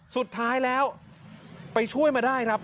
สุดท้ายแล้วไปช่วยมาได้ครับ